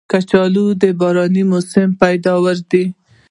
کچالو د باراني موسم پیداوار دی